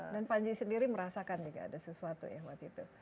dan panji sendiri merasakan juga ada sesuatu ya waktu itu